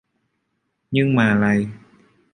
Nhưng mà này